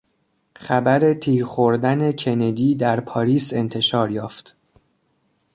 خبر تیر خوردن کندی در پاریس انتشار یافت.